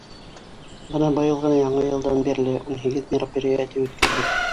Бына быйыл ғына Яңы йылдан бирле ун һигеҙ мероприятие үткәрҙек.